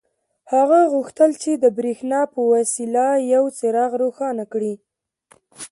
هغه غوښتل چې د برېښنا په وسیله یو څراغ روښانه کړي